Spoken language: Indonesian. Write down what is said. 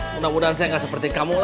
mudah mudahan saya nggak seperti kamu